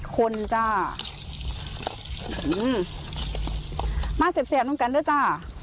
คนจ้ะมาเสพเสพลงกันด้วยจ้ะ